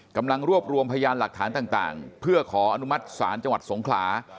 กำลังรวบรวมพยานหลักฐานต่างเพื่อขออนุมัติศาลจังหวัดสงขลา